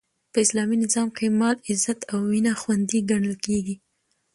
په اسلامي نظام کښي مال، عزت او وینه خوندي ګڼل کیږي.